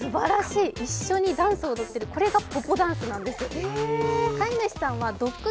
すばらしい、一緒にダンスを踊っている、これがぽぽダンスなんです。